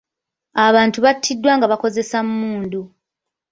Abantu battiddwa nga bakozesa mmundu.